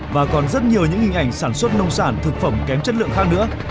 và còn rất nhiều những hình ảnh sản xuất nông sản thực phẩm kém chất lượng khác nữa